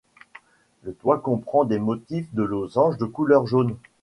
Le toit comprend des motifs de losanges de couleur jaune.